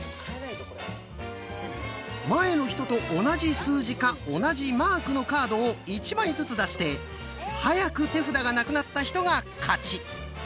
前の人と同じ数字か同じマークのカードを１枚ずつ出して早く手札がなくなった人が勝ち。